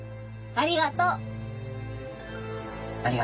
ありがとう。